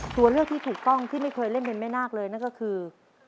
ตัวเลือกที่ถูกต้องที่ไม่เคยเล่นเป็นแม่นาคเลยนั่นก็คือ